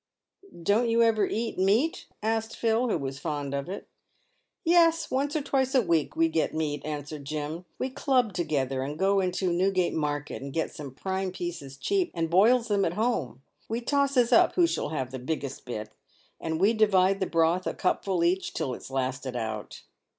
" Don't you ever eat meat ?" asked Phil, who was fond of it. " Yes, once or twice a week we get meat," answered Jim. " We club together and go into Newgate market and get some prime pieces cheap, and boils them at home. We tosses up who shall have the biggest bit, and we divide the broth, a cupful each, until it's lasted out."